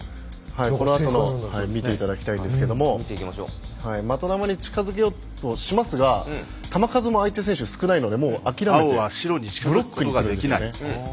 このあと見ていただきたいんですが的球に近づけようとしますが球数も相手選手少ないので諦めてブロックにくるんです。